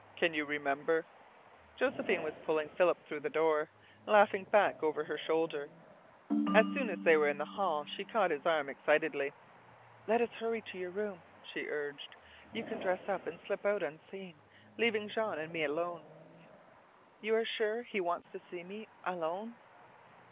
Can you remember " Josephine was pulling Philip through the door, laughing back over her shoulder. As soon as they were in the hall she caught his arm excitedly. "Let us hurry to your room," she urged. "You can dress and slip out unseen, leaving Jean and me alone. You are sure he wants to see me alone?"